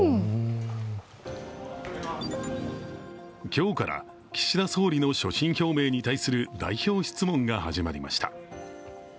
今日から岸田総理の所信表明に対する代表質問が始まりました。